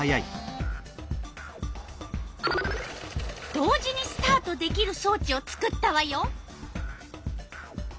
同時にスタートできるそうちを作ったわよ。